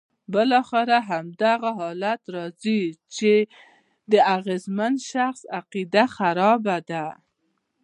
بالاخره همدا حالت راځي چې د اغېزمن شخص عقیده خرابه ده.